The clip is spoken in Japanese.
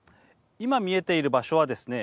今、見えている場所はですね